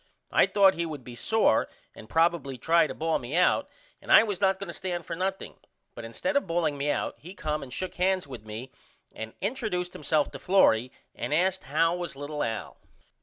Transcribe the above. I thought he would be sore and probily try to ball me out and I was not going to stand for nothing but instead of balling me out he come and shook hands with me and interduced himself to Florrie and asked how was little Al.